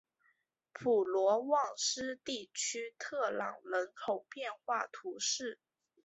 普罗旺斯地区特朗人口变化图示